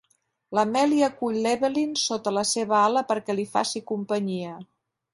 L'Amelia acull l'Evelyn sota la seva ala perquè li faci companyia.